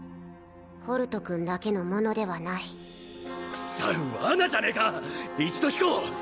ホルト君だけのものではないクソッワナじゃねえか一度引こう！